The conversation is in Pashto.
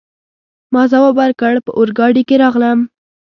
ما ځواب ورکړ: په اورګاډي کي راغلم.